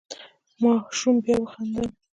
ماشوم بیا وخندل.